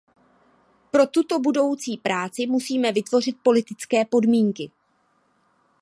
Pro tuto budoucí práci musíme vytvořit politické podmínky.